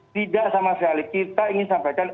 tidak sama sekali kita ingin sampaikan